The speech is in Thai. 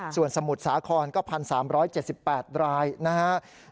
ส่วนสมุทรสาครก็๑๓๗๘รายนะครับ